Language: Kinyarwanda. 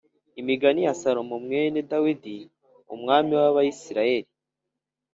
imigani ya salomo mwene dawidi, umwami w’abisirayeli